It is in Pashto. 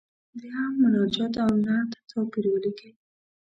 د حمد، مناجات او نعت توپیر ولیکئ.